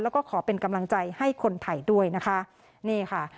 แล้วก็ขอเป็นกำลังใจให้คนไทยด้วยนะคะนี่ค่ะ